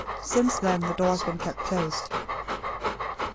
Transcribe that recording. Since then the door has been kept closed."